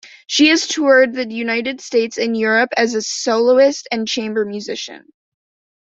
She has toured the United States and Europe as soloist and chamber musician.